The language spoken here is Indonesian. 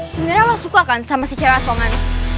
sebenernya lo suka kan sama si ceran pongan